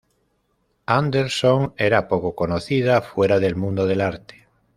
Anderson era poco conocida fuera del mundo del arte.